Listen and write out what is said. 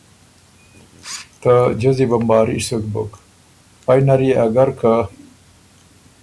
په جزی بمباري سُک بُک، فئ نر يې اګر که